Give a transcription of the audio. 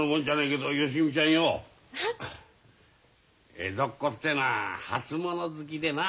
江戸っ子ってのは初物好きでな。